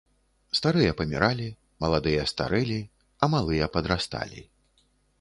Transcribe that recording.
Старыя паміралі, маладыя старэлі, а малыя падрасталі.